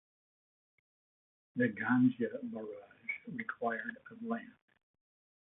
The Ganjia Barrage required of land.